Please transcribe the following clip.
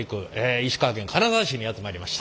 石川県金沢市にやって参りました。